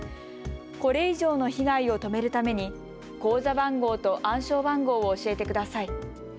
これ以上の被害を止めるために口座番号と暗証番号を教えてください。